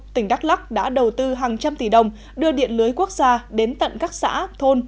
tỉnh đắk lắc đã đầu tư hàng trăm tỷ đồng đưa điện lưới quốc gia đến tận các xã thôn